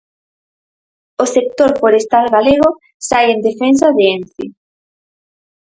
O sector forestal galego sae en defensa de Ence.